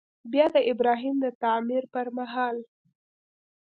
بیا د ابراهیم د تعمیر پر مهال.